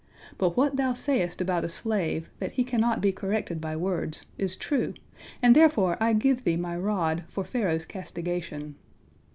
But what thou sayest about a slave, that he cannot be corrected by words, is true, and therefore I give thee My rod for Pharaoh's castigation."